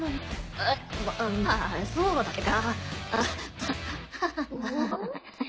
えっまあそうだっけか。